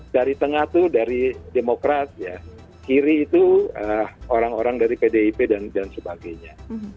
dari tengah itu dari demokrat ya kiri itu orang orang dari pdip dan sebagainya